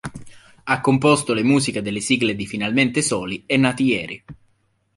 Ha composto le musiche delle sigle di "Finalmente soli" e "Nati ieri".